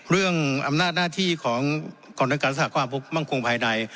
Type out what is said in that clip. เรื่องอำนาจหน้าที่ของกรมการรักษาความมั่งคงภายใน